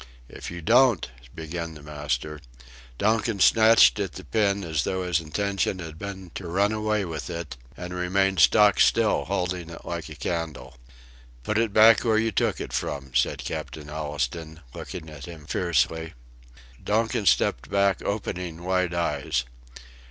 "If you don't..." began the master. Donkin snatched at the pin as though his intention had been to run away with it, and remained stock still holding it like a candle. "Put it back where you took it from," said Captain Allistoun, looking at him fiercely. Donkin stepped back opening wide eyes.